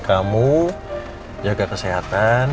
kamu jaga kesehatan